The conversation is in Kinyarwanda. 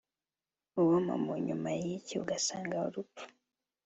uwoma mu nyuma y'ikibi agasanga urupfu